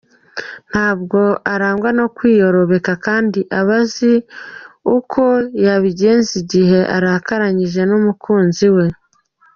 Ntabwo arangwa no kwiyorobeka kandi aba azi uko yabigenza igihe arakaranyije n’umukunzi we.